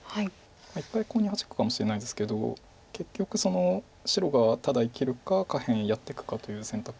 一回コウにハジくかもしれないんですけど結局白がただ生きるか下辺やっていくかという選択